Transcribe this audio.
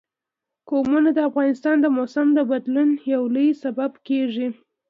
قومونه د افغانستان د موسم د بدلون یو لوی سبب کېږي.